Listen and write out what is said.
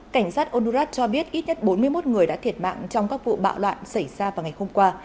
cảnh sát onuras cho biết ít nhất bốn mươi một người đã thiệt mạng trong các vụ bạo loạn xảy ra vào ngày hôm qua